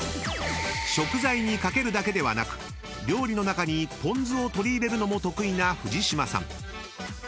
［食材に掛けるだけではなく料理の中にぽん酢を取り入れるのも得意な藤島さん］